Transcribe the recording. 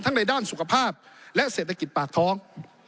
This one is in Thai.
ในด้านสุขภาพและเศรษฐกิจปากท้อง